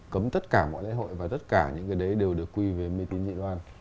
cấm tất cả mọi lễ hội và tất cả những cái đấy đều được quy về mê tín dị đoan